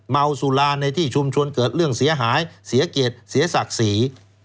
เมาสุราในที่ชุมชนเกิดเรื่องเสียหายเสียเกียรติเสียศักดิ์ศรี